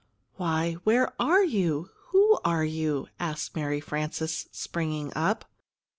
"Why, where are you? Who are you?" asked Mary Frances, springing up.